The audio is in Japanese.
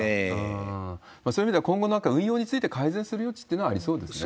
そういう意味では今後、なんか運用について改善する余地ってのはありそうですね。